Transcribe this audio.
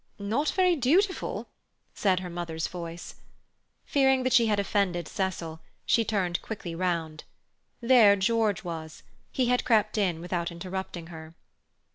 "Not very dutiful," said her mother's voice. Fearing that she had offended Cecil, she turned quickly round. There George was. He had crept in without interrupting her.